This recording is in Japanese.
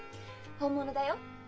本物だよ。